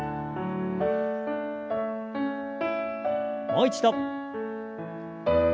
もう一度。